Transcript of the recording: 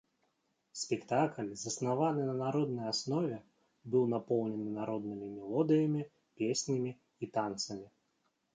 Спектакль, заснаваны на народнай аснове, быў напоўнены народнымі мелодыямі, песнямі і танцамі.